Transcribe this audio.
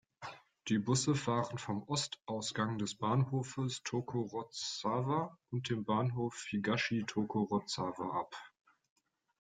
Die Busse fahren vom Ostausgang des Bahnhofes Tokorozawa und dem Bahnhof Higashi-Tokorozawa ab.